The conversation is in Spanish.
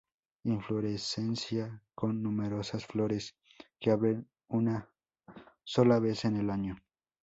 Inflorescencia con numerosas flores que abren una sola vez en el año.